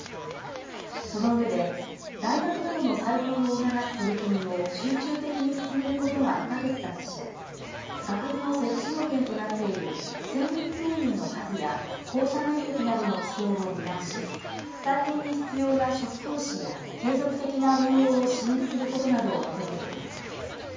その上で、大学などの再編を促す取り組みを集中的に進めることが不可欠だとして、学部の設置要件となっている専任教員の数や校舎面積などの規制を見直し、再編に必要な初期投資や、継続的な運営を支援することなどを求めています。